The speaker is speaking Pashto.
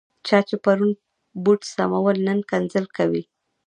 چا چې پرون بوټ سمول، نن کنځل کوي.